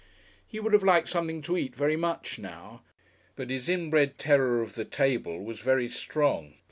He would have liked something to eat very much now, but his inbred terror of the table was very strong.